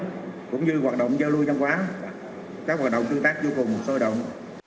cũng như hoạt động giao lưu trong quán các hoạt động tư tác vô cùng sôi động